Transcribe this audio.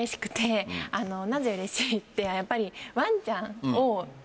なぜうれしいってやっぱりワンちゃん。